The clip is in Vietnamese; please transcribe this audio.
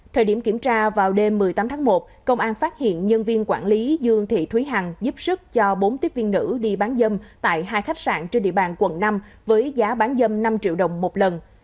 thời điểm kiểm tra vào đêm một mươi tám tháng một công an phát hiện nhân viên quản lý dương thị thúy hằng giúp sức cho bốn tiếp viên nữ đi bán dâm tại hai khách sạn trên địa bàn quận năm với giá bán dâm năm triệu đồng một lần